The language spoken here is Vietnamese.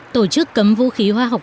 tổ chức cấm vũ khí hóa học